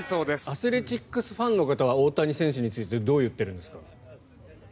アスレチックスファンの方は大谷選手についてどう言っているんですか。